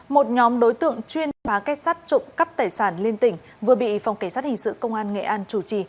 một nhóm đối tượng chuyên bá cách sát trụng cấp tài sản lên tỉnh vừa bị phòng cảnh sát hình sự công an nghệ an chủ trì